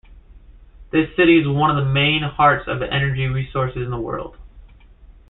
This city is one of main hearts of energy resources in the world.